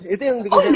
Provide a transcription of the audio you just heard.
itu yang dikasih